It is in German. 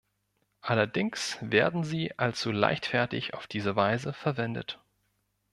Allerdings werden sie allzu leichtfertig auf diese Weise verwendet.